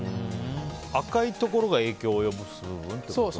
赤いところが影響を及ぼすってことですか。